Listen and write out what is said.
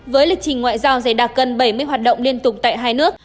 với lịch trình ngoại giao dày đặc cân bảy mươi hoạt động liên tục tại hai nước